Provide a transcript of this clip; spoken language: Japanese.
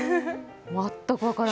全く分からない。